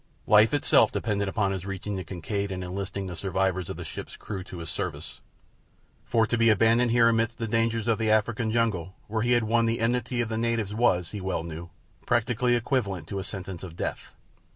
Life itself depended upon his reaching the Kincaid and enlisting the survivors of the ship's crew in his service, for to be abandoned here amidst the dangers of the African jungle where he had won the enmity of the natives was, he well knew, practically equivalent to a sentence of death.